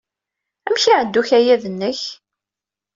Amek ay iɛedda ukayad-nnek?